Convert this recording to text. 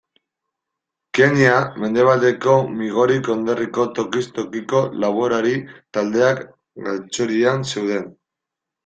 Kenya mendebaldeko Migori konderriko tokiz tokiko laborari taldeak galtzorian zeuden.